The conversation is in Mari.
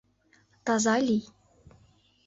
Таза лий.